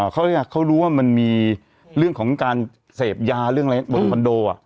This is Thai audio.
เขาจะเข้าไปเนี่ยก็ไม่ได้เหมือนกันก็ติดอย่างนี้เหมือนกัน